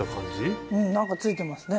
何か付いてますね。